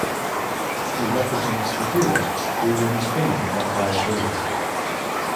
He represents the hero who wins fame but dies early.